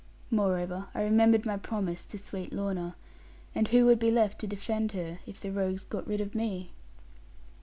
Moreover, I remembered my promise to sweet Lorna; and who would be left to defend her, if the rogues got rid of me?